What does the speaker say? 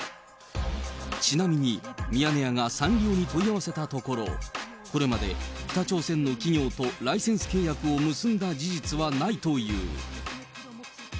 ちなみにミヤネ屋がサンリオに問い合わせたところ、これまで北朝鮮の企業とライセンス契約を結んだ事実はないという。